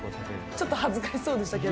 ちょっと恥ずかしそうでしたけど。